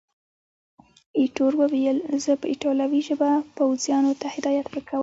ایټور وویل، زه په ایټالوي ژبه پوځیانو ته هدایات ورکوم.